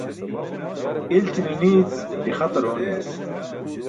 İlći̇ne ni̇i̇c, ixatar ooni̇yas.